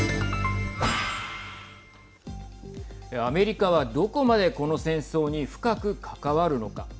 アメリカは、どこまでこの戦争に深く関わるのか。